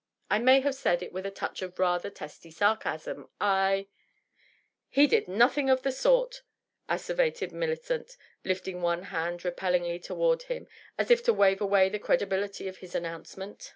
I may have said it with a touch of rather testy sarcasm ; I "" He did nothing of the sort !" asseverated Millicent, lifting one hand repellingly toward him as if to wave away the credibility of his announcement.